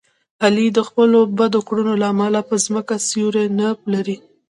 علي د خپلو بدو کړنو له امله په ځمکه سیوری نه لري.